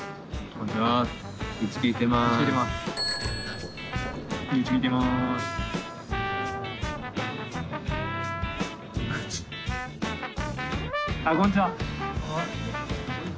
あこんにちは。